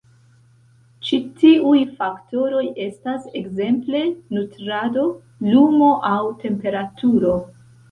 Ĉi-tiuj faktoroj estas ekzemple nutrado, lumo aŭ temperaturo.